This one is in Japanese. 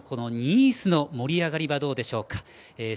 試合地のニースの盛り上がりどうでしょうか。